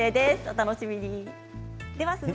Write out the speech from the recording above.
お楽しみに。